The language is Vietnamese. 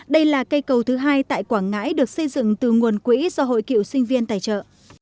đây là cây cầu thứ hai tại quảng ngãi được xây dựng từ nguồn quỹ do hội cựu sinh viên tài trợ